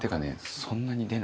そんなに出ない。